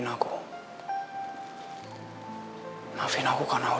nggak ada neng yang megang ikan